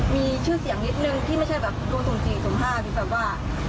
มีชื่อเสียงนิดนึงไม่ใช่แบบดูสุ่มสี่สุ่มห้าเป็นแบบว่า